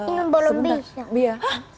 ini belum bisa